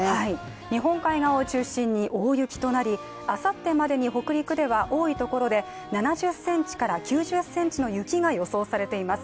日本海側を中心に大雪となり、あさってまでに北陸では多いところで７０ｃｍから９０ｃｍの雪が予想されています。